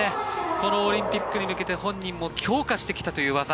このオリンピックに向けて本人も強化してきたという技。